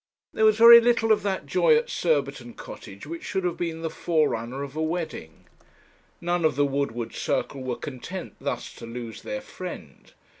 There was very little of that joy at Surbiton Cottage which should have been the forerunner of a wedding. None of the Woodward circle were content thus to lose their friend.